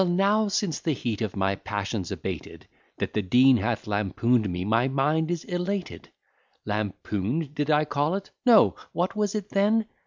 now, since the heat of my passion's abated, That the Dean hath lampoon'd me, my mind is elated: Lampoon'd did I call it? No what was it then?